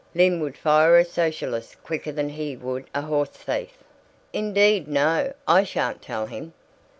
Lym would fire a socialist quicker than he would a horse thief!)" "Indeed no, I sha'n't tell him."